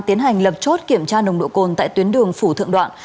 tiến hành lập chốt kiểm tra nồng độ cồn tại tuyến đường phủ thượng đoạn